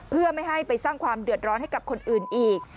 เพื่อไม่ให้ไปสร้างความเดือดร้อนให้กับคนอื่นอีก